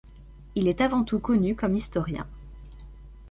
Il est avant tout connu comme historien.